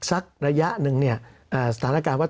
สำหรับกำลังการผลิตหน้ากากอนามัย